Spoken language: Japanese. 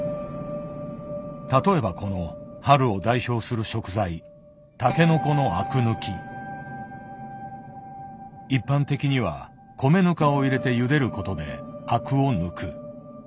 例えばこの春を代表する食材タケノコの一般的には米ぬかを入れてゆでることでアクを抜く。